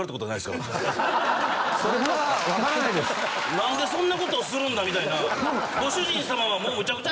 何でそんなことをするんだ⁉みたいな。